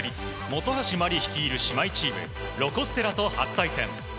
本橋麻里率いる姉妹チームロコ・ステラと初対戦。